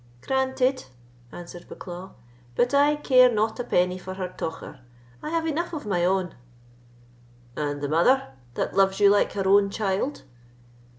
"Granted," answered Bucklaw; "but I care not a penny for her tocher; I have enough of my own." "And the mother, that loves you like her own child?"